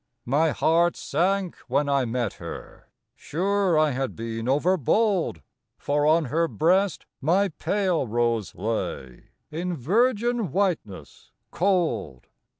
My heart sank when I met her: sure I had been overbold, For on her breast my pale rose lay In virgin whiteness cold.